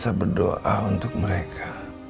sampai berdoa untuk mereka